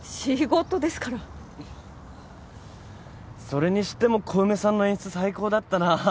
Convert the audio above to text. それにしても小梅さんの演出最高だったな。